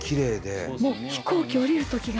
もう飛行機降りるときが。